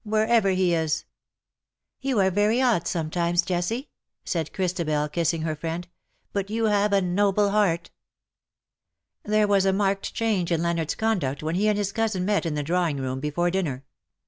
wherever he is.'' '^ You are very odd sometimes, Jessie," said Christabel, kissing her friend, "but you have a noble heart.'' There was a marked change in Leonard's con duct when he and his cousin met in the drawing 106 room before dinner.